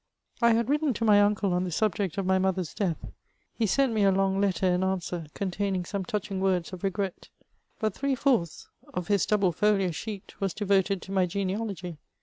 / had written to my uncle on the subject of my mother's death ; he sent me a long letter in answer, containing some touching words of regret ; but three fourths of his double folio sheet was devoted to my genealogy.